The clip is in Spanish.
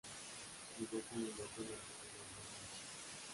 Llegó con la invasión hasta Pinar del Río.